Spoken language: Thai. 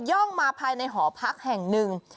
่องมาภายในหอพักแห่งหนึ่ง